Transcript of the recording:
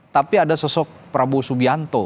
tapi ada sosok prabowo subianto